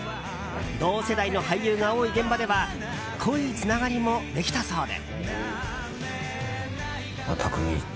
同世代の俳優が多い現場では濃いつながりもできたそうで。